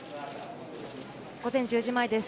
午前１０時前です。